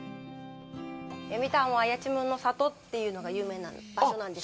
読谷は、やちむんの里っていうのが有名な場所なんです。